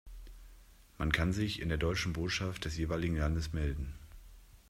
Man kann sich in der deutschen Botschaft des jeweiligen Landes melden.